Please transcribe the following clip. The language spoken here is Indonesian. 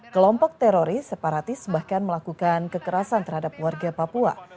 kelompok teroris separatis bahkan melakukan kekerasan terhadap warga papua